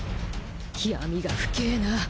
闇が深えな。